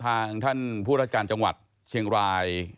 ทางท่านผู้ราชการจังหวัดเชียงราย